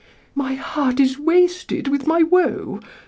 "My heart is wasted with my woe!